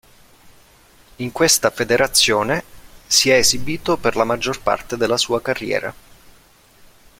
In questa federazione si è esibito per la maggior parte della sua carriera.